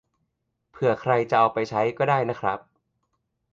เผื่อใครจะเอาไปใช้ก็ได้นะครับ